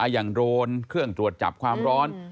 โดรนเครื่องตรวจจับความร้อน